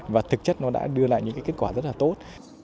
và thực chất nó đã đưa lại những kết quả rất là tốt